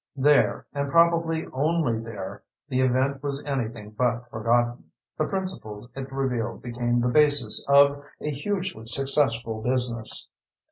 There, and probably only there, the event was anything but forgotten; the principles it revealed became the basis of a hugely successful business.